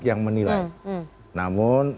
yang menilai namun